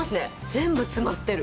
全部詰まってる。